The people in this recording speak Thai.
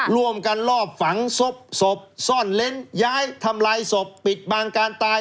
ร่วมกันลอบฝังศพซ่อนเล้นย้ายทำลายศพปิดบางการตาย